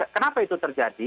kenapa itu terjadi